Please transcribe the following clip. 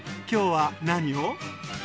今日は何を？